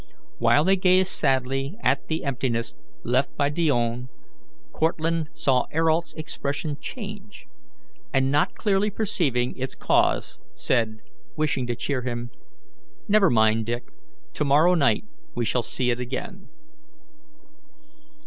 While they gazed sadly at the emptiness left by Dione, Cortlandt saw Ayrault's expression change, and, not clearly perceiving its cause, said, wishing to cheer him: "Never mind, Dick; to morrow night we shall see it again."